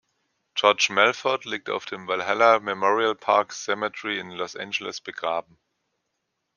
George Melford liegt auf dem Valhalla Memorial Park Cemetery in Los Angeles begraben.